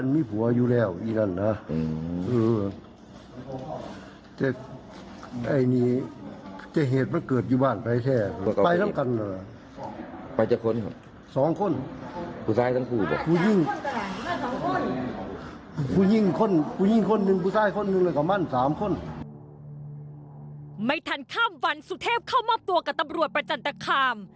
ไม่ทันข้ามวันสุเทพเข้ามอบตัวกับตำรวจประจันตคาม